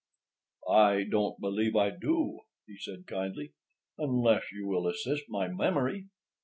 "I don't believe I do," he said kindly—"unless you will assist my memory."